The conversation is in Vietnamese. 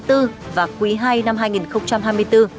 quý bốn và quý ii năm hai nghìn hai mươi bốn